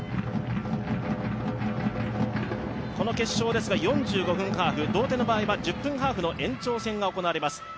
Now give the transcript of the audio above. この決勝ですが４５分ハーフ、同点の場合は１０分ハーフの延長戦が行われます。